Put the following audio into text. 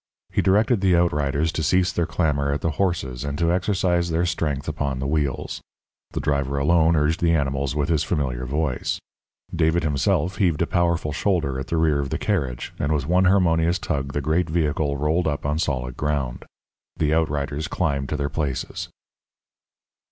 He directed the outriders to cease their clamour at the horses and to exercise their strength upon the wheels. The driver alone urged the animals with his familiar voice; David himself heaved a powerful shoulder at the rear of the carriage, and with one harmonious tug the great vehicle rolled up on solid ground. The outriders climbed to their places.